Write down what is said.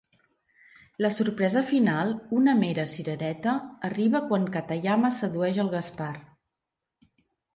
La sorpresa final, una mera cirereta, arriba quan Katayama sedueix el Gaspar.